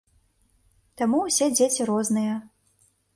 Таму ўсе дзеці розныя.